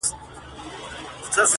یو له بله بېلېدل سوه د دوستانو!.